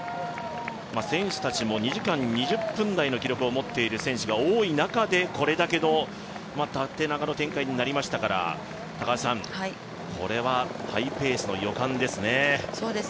選手たちも２時間２０分台の記録を持っている選手たちが多い中でこれだけの縦長の展開になりましたからこれはハイペースの予感ですね。